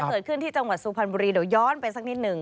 เกิดขึ้นที่จังหวัดสุพรรณบุรีเดี๋ยวย้อนไปสักนิดหนึ่ง